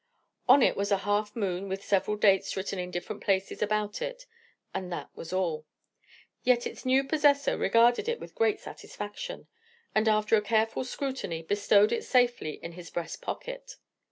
On it was a half moon with several dates written in different places about it, and that was all; yet its new possessor regarded it with great satisfaction, and after a careful scrutiny bestowed it safely in his breast pocket.